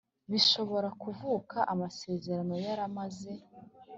bishobora kuvuka amasezerano yaramaze